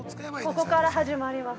◆ここから始まる。